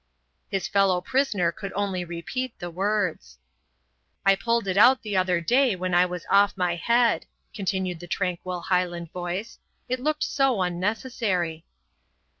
His fellow prisoner could only repeat the words. "I pulled it out the other day when I was off my head," continued the tranquil Highland voice. "It looked so unnecessary."